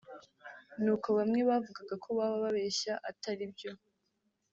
ni uko bamwe bavugaga ko baba babeshya atari byo